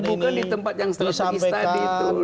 dan bukan di tempat yang strategis tadi itu